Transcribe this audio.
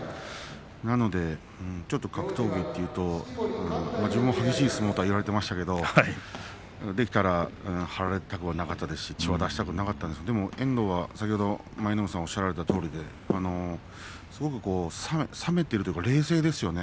なので、ちょっと格闘技というと自分も激しい相撲とは言われていましたができたら張られたくはないし血を出したくないしでも遠藤は舞の海さんもおっしゃられたとおりで冷めているというか冷静ですね。